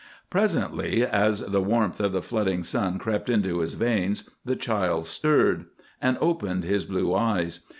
Presently, as the warmth of the flooding sun crept into his veins, the child stirred, and opened his blue eyes.